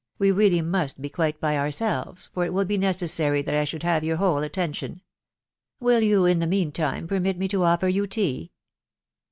we really must be quite by ourselves, for it wul be necessary that I should have your whole attention. Will you, in the mean time, permit me to offer you tea